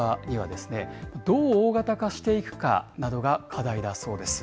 このパネルの実用化には、どう大型化していくかなどが課題だそうです。